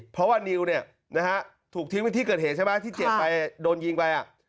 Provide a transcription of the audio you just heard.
เพราะว่านิวเนี่ยนะฮะถูกทิ้งไว้ที่เกิดเหตุใช่ไหมที่เจ็บไปโดนยิงไป